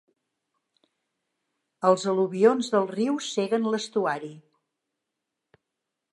Els al·luvions del riu ceguen l'estuari.